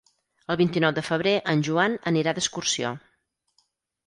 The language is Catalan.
El vint-i-nou de febrer en Joan anirà d'excursió.